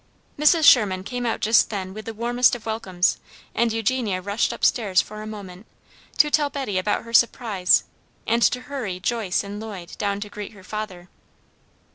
Mrs. Sherman came out just then with the warmest of welcomes, and Eugenia rushed up stairs for a moment, to tell Betty about her surprise and to hurry Joyce and Lloyd down to greet her father.